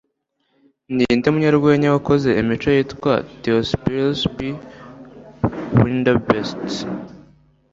Ninde munyarwenya wakoze imico yitwa Theophilis P Wilderbeest?